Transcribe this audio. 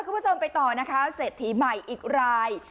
คุณผู้ชมไปต่อนะคะเศรษฐีใหม่อีกราย